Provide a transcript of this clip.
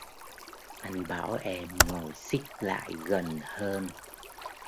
Anh bảo em ngồi xích lại gần hơn.